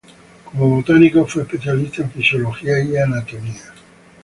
Como botánico fue especialista en fisiología y anatomía.